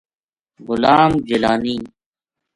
غلام جیلانی